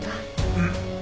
うん。